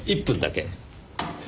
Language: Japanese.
１分だけ。